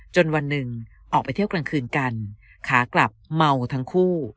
วันหนึ่งออกไปเที่ยวกลางคืนกันขากลับเมาทั้งคู่